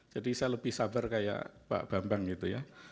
jadi saya lebih sabar kayak pak bambang gitu ya